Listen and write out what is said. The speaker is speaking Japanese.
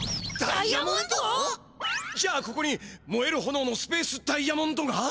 じゃあここにもえるほのおのスペースダイヤモンドが！？